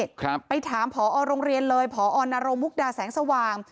ครับไปถามผอโรงเรียนเลยพอนรงมุกดาแสงสว่าง